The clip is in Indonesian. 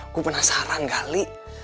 gue penasaran kali